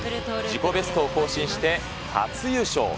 自己ベストを更新して初優勝。